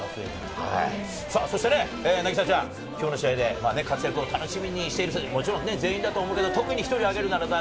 そして凪咲ちゃん、きょうの試合で活躍を楽しみにしている選手、全員だと思うけれども、特に１人挙げるなら誰？